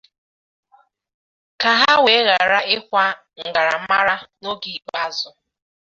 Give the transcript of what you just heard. ka ha wee ghara ịkwa 'ngara m mara' n'oge ikpeazụ.